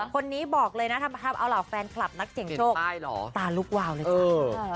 คนนี้บอกเลยนะทำเอาเหล่าแฟนคลับนักเสี่ยงโชคตาลุกวาวเลยจ้า